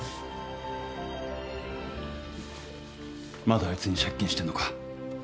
まだあいつに借金してるのか？